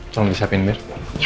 tolong disiapin mir